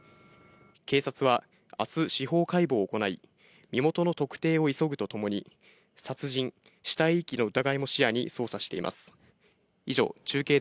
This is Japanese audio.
警察はあす司法解剖を行い、身元の特定を急ぐとともに、殺人・死体遺棄の疑いも視野に捜査しています。